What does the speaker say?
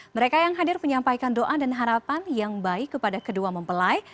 mereka yang hadir menyampaikan doa dan harapan yang baik kepada kedua mempelai